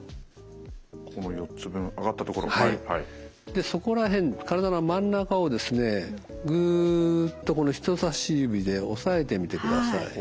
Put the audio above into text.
でそこら辺体の真ん中をですねぐっと人差し指で押さえてみてください。